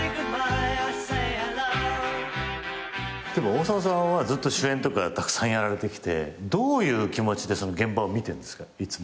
大沢さんはずっと主演とかたくさんやられてきてどういう気持ちで現場を見てるんですかいつも。